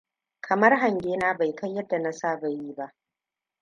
Kamar hange na bai kai yadda na saba yi ba.